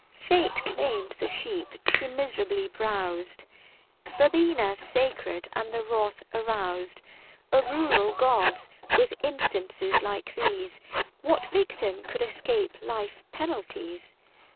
410 Fate claimed the sheep ; she miserably browzed Verbenas sacred ; and the wrath aroused Of rural gods. With instances like these What victim could escape life's penalties